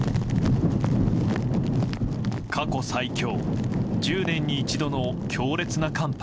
過去最強１０年に一度の強烈な寒波。